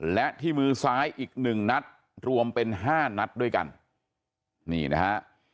และที่มือซ้ายอีกหนึ่งนัดรวมเป็นห้านัดด้วยกันนี่นะฮะ